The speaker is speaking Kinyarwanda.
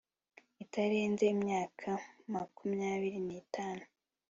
itarenze imyaka makumyabiri n itanu